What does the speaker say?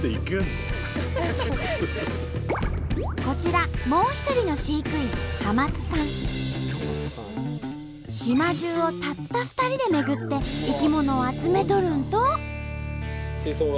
こちらもう一人の飼育員島中をたった２人で巡って生き物を集めとるんと。